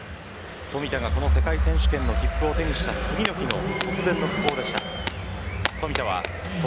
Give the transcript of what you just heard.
冨田がこの世界選手権の切符を手にした次の年の突然の不幸でした。